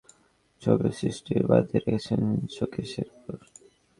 খেলোয়াড়ি জীবনের পুরোনো কিছু ছবিও স্মৃতি হিসেবে বাঁধিয়ে রেখেছেন শোকেসের ওপর।